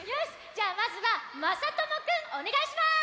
じゃあまずはまさともくんおねがいします！